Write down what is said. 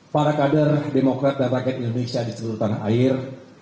para kader demokrat dan rakyat indonesia di seluruh tanah air